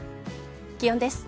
気温です。